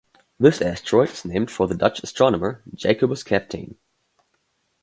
This asteroid is named for the Dutch astronomer Jacobus Kapteyn.